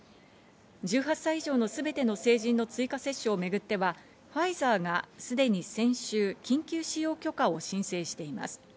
１８歳以上のすべての成人の追加接種をめぐっては、ファイザーがすでに先週、緊急使用許可を申請しています。